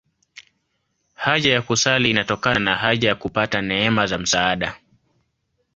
Haja ya kusali inatokana na haja ya kupata neema za msaada.